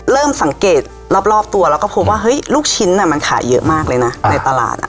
เริ่มสังเกตรอบตัวแล้วก็พบว่าเฮ้ยลูกชิ้นมันขายเยอะมากเลยนะในตลาดอ่ะ